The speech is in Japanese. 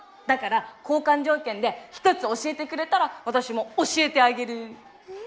だから交換条件で一つ教えてくれたら私も教えてあげる。